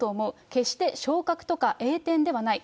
決して昇格とか、栄転ではない。